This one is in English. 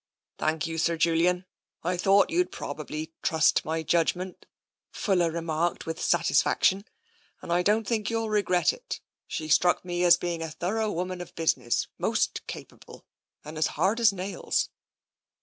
" Thank you. Sir Julian. I thought you'd prob ably trust my judgment," Fuller remarked, with satis faction. " And I don't think you will regret it. She struck me as being a thorough woman of business, most capable, and as hard as nails."